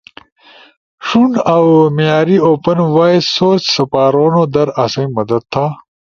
ݜون اؤ معیاری اوپن وائس سورس سپارونو در آسئی مدد تھا۔